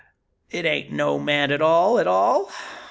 It ain't no man at all, at all!